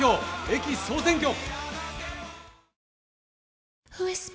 駅総選挙』！